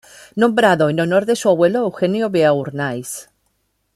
Nombrado en honor de su abuelo Eugenio Beauharnais.